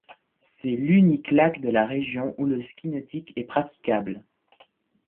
C’est l’unique lac de la région où le ski nautique est praticable.